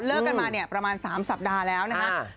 เลิกกันมาประมาณ๓สัปดาห์แล้วนะครับ